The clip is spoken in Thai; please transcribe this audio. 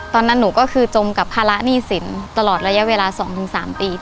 ตอนนั้นหนูก็คือจมกับภาระหนี้สินตลอดระยะเวลา๒๓ปี